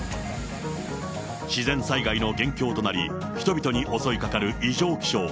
自然災害の元凶となり、人々に襲いかかる異常気象。